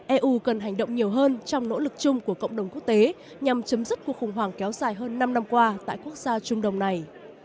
eu cần hành động nhiều hơn trong nỗ lực chung của cộng đồng quốc tế nhằm chấm dứt cuộc khủng hoảng kéo dài hơn năm năm qua tại quốc gia trung đông này